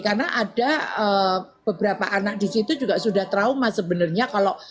karena ada beberapa anak di situ juga sudah trauma sebenarnya